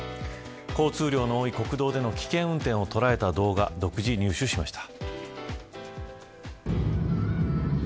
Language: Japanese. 交通量の多い国道での危険運転を捉えた動画独自入手しました。